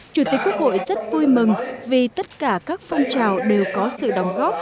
chủ tịch quốc hội rất vui mừng vì tất cả các phong trào đều có sự đóng góp